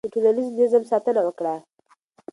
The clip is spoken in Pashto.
د ټولنیز نظم ساتنه وکړه.